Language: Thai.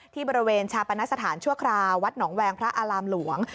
ที่บริเวณชาปนสถานชั่วคราววัดหนองแวงพระอารามหลวง